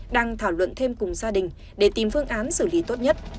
đang thảo luận thêm cùng gia đình để tìm phương án xử lý tốt nhất